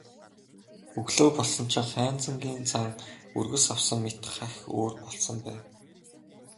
Өглөө болсон чинь Хайнзангийн зан өргөс авсан мэт хахь өөр болсон байв.